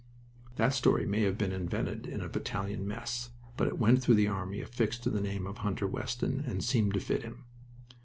That story may have been invented in a battalion mess, but it went through the army affixed to the name of Hunter Weston, and seemed to fit him.